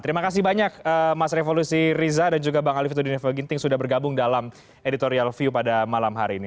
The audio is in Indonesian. terima kasih banyak mas revo lusi riza dan juga bang alif fitro dinefro ginting sudah bergabung dalam editorial view pada malam hari ini